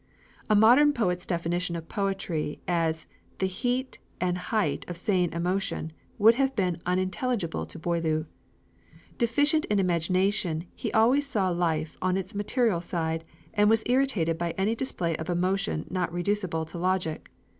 A modern poet's definition of poetry as "the heat and height of sane emotion" would have been unintelligible to Boileau. Deficient in imagination, he always saw life on its material side, and was irritated by any display of emotion not reducible to logic.